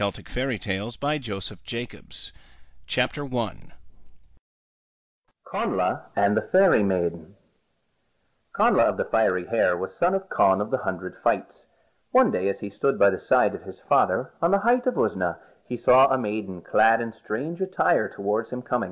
THE LAD WITH THE GOAT SKIN NOTES AND REFERENCES CONNLA AND THE FAIRY MAIDEN Connla of the Fiery Hair was son of Conn of the Hundred Fights. One day as he stood by the side of his father on the height of Usna, he saw a maiden clad in strange attire coming towards him.